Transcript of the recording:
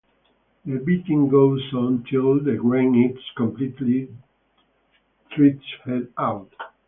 The beating goes on till the grain is completely threshed out.